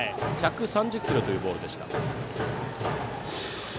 １３０キロというボール。